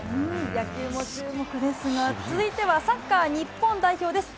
野球も注目ですが、続いてはサッカー日本代表です。